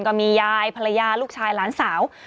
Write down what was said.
ก็มียายภรรยาลูกชายหลานสาว